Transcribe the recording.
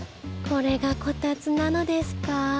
これがこたつなのですか？